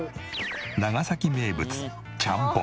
長崎名物ちゃんぽん。